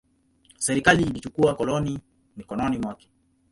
Serikali ilichukua koloni mikononi mwake.